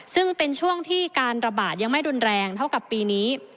ซึ่งเป็นช่วงที่การระบาดยังไม่รุนแรงเท่ากับปีนี้